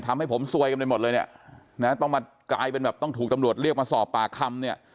ทำให้ผมสวยกันไปหมดเลยต้องกลายเป็นต้องถูกตำรวจเรียกมาสอบปากคำ